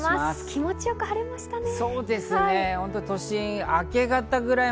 気持ちよく晴れましたね。